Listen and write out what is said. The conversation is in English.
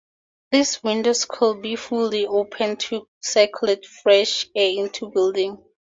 These windows could be fully opened to circulate fresh air into the building.